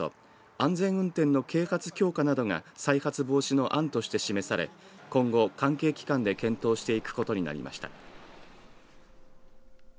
安全運転の啓発強化などが再発防止の案として示され今後、関係機関で検討していくことになりました。